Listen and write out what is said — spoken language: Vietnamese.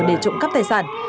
để trụng cấp tài sản